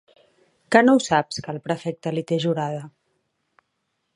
Que no ho saps, que el prefecte li té jurada?